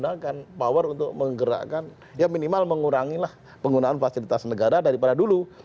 menggunakan power untuk menggerakkan ya minimal mengurangilah penggunaan fasilitas negara daripada dulu